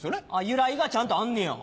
由来がちゃんとあんねや。